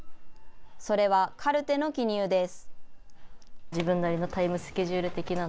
それはカルテの記入です。